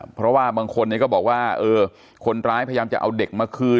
เพราะว่าบางคนก็บอกว่าเออคนร้ายพยายามจะเอาเด็กมาคืน